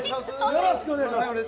よろしくお願いします。